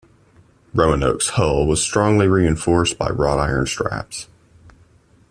"Roanoke"s hull was strongly reinforced by wrought iron straps.